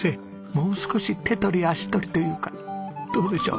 もう少し手取り足取りというかどうでしょう？